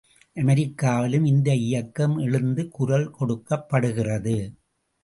அமெரிக்காவிலும் இந்த இயக்கம் எழுந்து குரல் கொடுக்கப்படுகிறது.